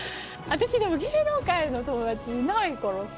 私でも芸能界の友達いないからさ。